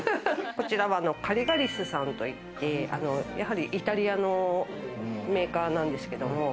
こちらはカリガリスさんといって、やはりイタリアのメーカーなんですけれども。